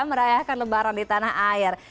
merayakan lebaran di tanah air